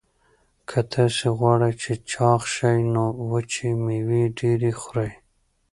که تاسي غواړئ چې چاغ شئ نو وچې مېوې ډېرې خورئ.